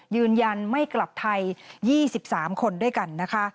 ยืนยันไม่กลับไทย๒๓คนด้วยกันนะคะ